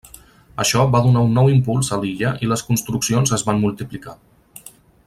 Això va donar un nou impuls a l'illa i les construccions es van multiplicar.